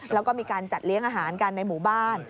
แล้วก็มีการจัดเลี้ยงอาหารกันในหมู่บ้าน